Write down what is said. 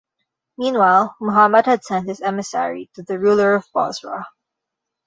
Meanwhile, Muhammad had sent his emissary to the ruler of Bosra.